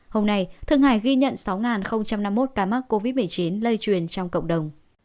hôm nay thượng hải ghi nhận sáu năm mươi một ca mắc covid một mươi chín lây truyền trong cộng đồng